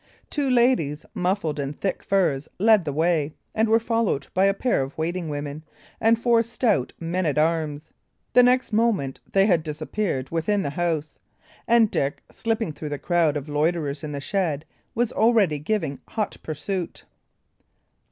Two ladies, muffled in thick furs, led the way, and were followed by a pair of waiting women and four stout men at arms. The next moment they had disappeared within the house; and Dick, slipping through the crowd of loiterers in the shed, was already giving hot pursuit.